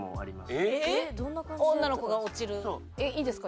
いいですか？